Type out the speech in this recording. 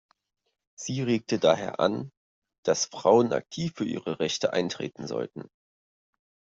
Sie regte daher an, dass Frauen aktiv für ihre Rechte eintreten sollten.